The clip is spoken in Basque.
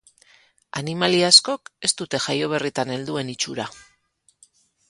Animalia askok ez dute jaio berritan helduen itxura.